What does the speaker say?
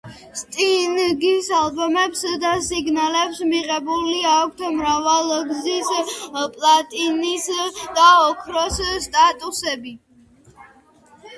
სტინგის ალბომებს და სინგლებს მიღებული აქვთ მრავალგზის პლატინის და ოქროს სტატუსები.